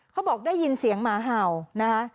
เขาบอกได้ยินเสียงหมาเห่านะคะ